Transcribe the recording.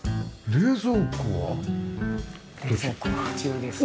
冷蔵庫はあちらです。